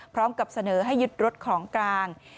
พร้อมกับเสนอให้ยึดรถของกลาง